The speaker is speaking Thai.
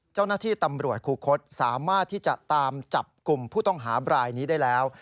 เจ้าหน้าที่ตำรวจคูคศสามารถที่จะตามจับกลุ่มผู้ต้องหาบรายนี้ได้แล้ว